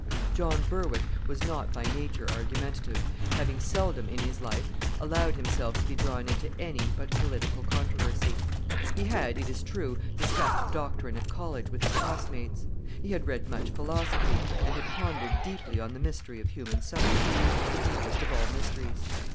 John Berwick was not by nature argumentative, having seldom in his life allowed himself to be drawn into any but political controversy. He had, it is true, discussed doctrine at college with his class mates. He had read much philosophy, and had pondered deeply on the mystery of human suffering the deepest of all mysteries.